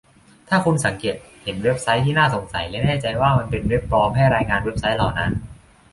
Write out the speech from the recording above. ถ้าคุณสังเกตเห็นเว็บไซต์ที่น่าสงสัยและแน่ใจว่ามันเป็นเว็บปลอมให้รายงานเว็บไชต์เหล่านั้น